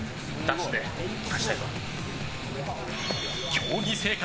競技生活